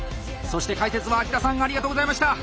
そして解説は秋田さんありがとうございました！